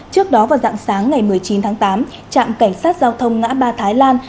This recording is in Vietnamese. trước đó vào dạng sáng ngày một mươi chín tháng tám trạm cảnh sát giao thông ngã ba thái lan